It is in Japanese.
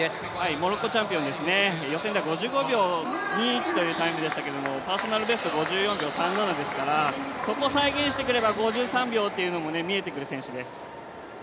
モロッコチャンピオンですね、予選では５５秒２１というタイムでしたがパーソナルベスト５４秒３７ですからそこを再現してくれば、５３秒も見えてくる選手です。